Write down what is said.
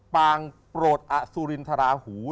ปางโปรดอสุรินทราหู